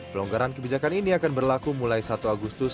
pelonggaran kebijakan ini akan berlaku mulai satu agustus dua ribu delapan belas